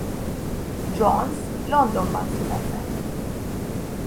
Jones Londonban született.